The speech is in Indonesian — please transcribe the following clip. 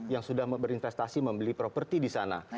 yang sudah berinvestasi membeli properti di sana